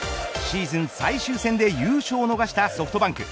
シーズン最終戦で優勝を逃したソフトバンク。